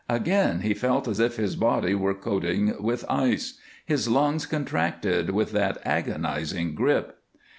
Again he felt as if his body were coating with ice; his lungs contracted with that agonizing grip.